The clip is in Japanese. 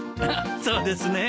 そうですね。